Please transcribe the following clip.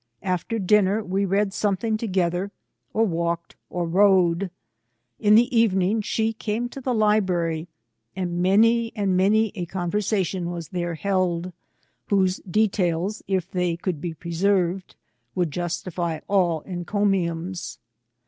After dinner, we read something together, or walked, or rode. In the evening, she came to the library, and many and many a con versation was there held, whose details, if they could be preserved, would justify all encomiums.